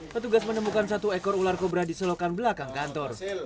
petugas menemukan satu ekor ular kobra di selokan belakang kantor